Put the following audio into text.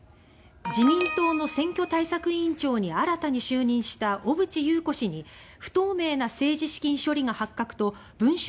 自民党の選挙対策委員長に新たに就任した小渕優子氏に不透明な政治資金処理が発覚と文春